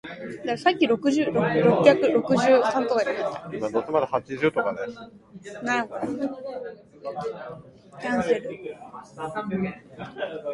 なんにもならぬというよりもっといけないことだ。わしは今の問題に関係ないことをむし返すつもりはない。お母さんが死んでから、いろいろといやなことが起った。